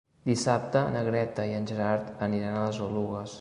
Dissabte na Greta i en Gerard aniran a les Oluges.